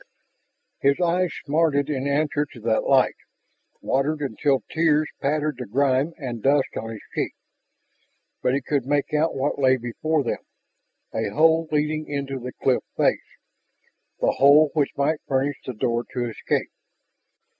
His eyes smarted in answer to that light, watered until tears patterned the grime and dust on his cheeks. But he could make out what lay before them, a hole leading into the cliff face, the hole which might furnish the door to escape.